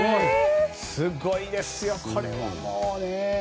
すごいですよ、これは。